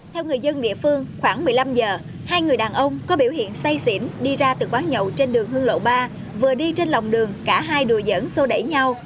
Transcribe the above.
theo người dân địa phương khoảng một mươi năm giờ hai người đàn ông có biểu hiện say xỉn đi ra từ quán nhậu trên đường hương lộ ba vừa đi trên lòng đường cả hai đùi dẫn sô đẩy nhau